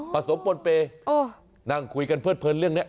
ผสมปนเปนั่งคุยกันเพิ่มเรื่องนี้